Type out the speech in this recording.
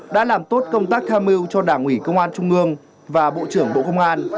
đã làm tốt công tác tham mưu cho đảng ủy công an trung ương và bộ trưởng bộ công an